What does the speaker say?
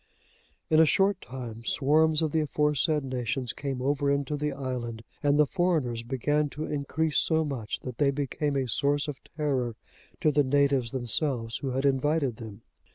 In a short time, swarms of the aforesaid nations came over into the island, and the foreigners began to increase so much, that they became a source of terror to the natives themselves who had invited them.